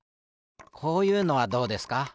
こういうのはどうですか？